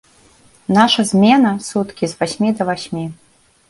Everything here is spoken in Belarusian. Наша змена, суткі з васьмі да васьмі.